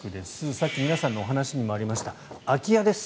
さっき皆さんのお話にもありました空き家です。